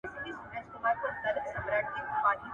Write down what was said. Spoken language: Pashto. • چورت ئې واهه، خورجين ئې بايلوی.